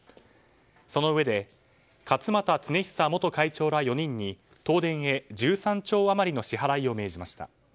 そのうえで勝俣恒久元会長ら４人に東電へ１３兆余りの支払いを命じました。